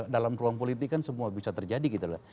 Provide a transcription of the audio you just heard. dalam ruang politik kan semua bisa terjadi gitu loh